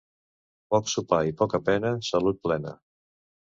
Poc sopar i poca pena, salut plena.